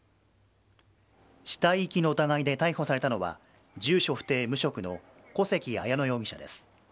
死体遺棄の疑いで逮捕されたのは住所不定・無職の小関彩乃容疑者です。